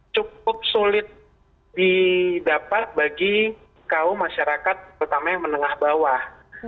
cukup sulit didapat bagi kaum masyarakat terutama yang menengah bawah